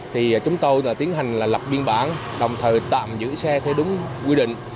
thì chúng tôi tiến hành lập biên bản đồng thời tạm giữ xe theo đúng quy định